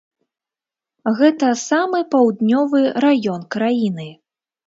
Гэта самы паўднёвы раён краіны.